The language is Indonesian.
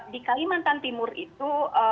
di kalimantan timur itu